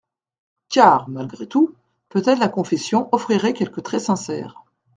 Car, malgré tout, peut-être la confession offrirait quelques traits sincères.